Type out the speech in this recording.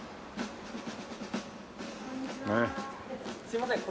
すいません。